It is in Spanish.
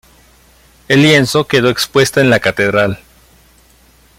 El lienzo quedó expuesta en la catedral.